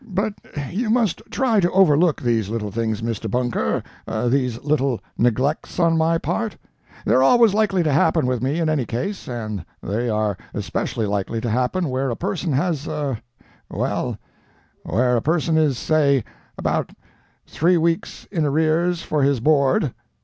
But you must try to overlook these little things, Mr. Bunker, these little neglects on my part. They're always likely to happen with me in any case, and they are especially likely to happen where a person has—er—well, where a person is, say, about three weeks in arrears for his board.